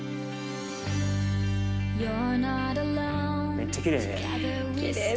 めっちゃきれい。